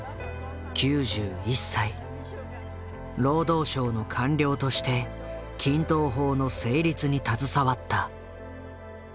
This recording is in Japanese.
労働省の官僚として均等法の成立に携わった。